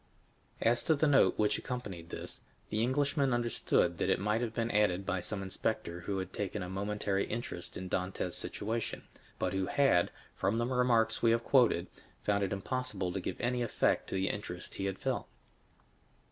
20029m As to the note which accompanied this, the Englishman understood that it might have been added by some inspector who had taken a momentary interest in Dantès' situation, but who had, from the remarks we have quoted, found it impossible to give any effect to the interest he had felt.